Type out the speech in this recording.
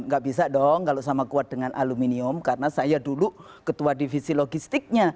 nah itu masih ada yang disimpan